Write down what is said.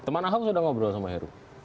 teman ahok sudah ngobrol sama heru